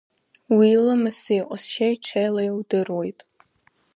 Уи иламыси иҟазшьеи ҽеила иудыруеит.